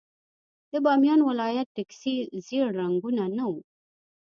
د بامیان ولايت ټکسي ژېړ رنګونه نه وو.